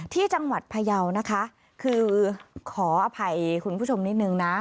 ที่จังหวัดพยาวนะคะคือขออภัยคุณผู้ชมนิดนึงนะ